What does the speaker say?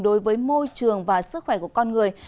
đối với môi trường và sức khỏe của con người